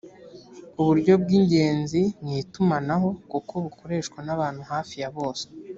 uburyo bw ingenzi mu itumanaho kuko bukoreshwa n abantu hafi ya bose